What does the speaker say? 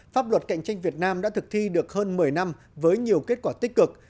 pháp luật cạnh tranh việt nam đã thực thi được hơn một mươi năm với nhiều kết quả tích cực